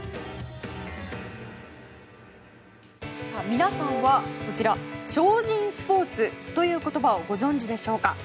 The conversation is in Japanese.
皆さんはこちら超人スポーツという言葉をご存じでしょうか。